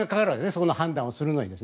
そこの判断をするのに。